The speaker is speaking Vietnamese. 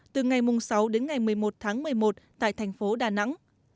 từ ngày sáu đến ngày một mươi một tháng một mươi một tại thành phố đà nẵng